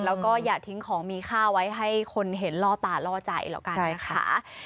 แล้วก็อย่าทิ้งของมีค่าไว้ให้คนเห็นล่อตาล่อใจแล้วกันนะคะ